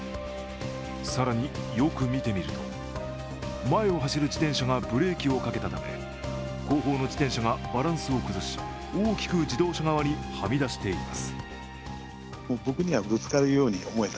更によく見てみると、前を走る自転車がブレーキをかけたため後方の自転車がバランスを崩し大きく自動車側にはみ出しています。